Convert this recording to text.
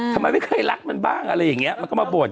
ทำไมไม่เคยรักมันบ้างอะไรอย่างนี้มันก็มาบ่น